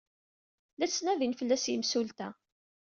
La ttnadin fell-as yemsulta.